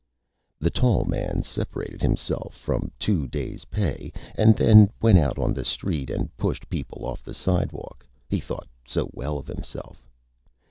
The Tall Man separated himself from Two Days' Pay and then went out on the Street and pushed People off the Sidewalk, He thought so well of Himself.